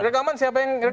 rekaman siapa yang rekam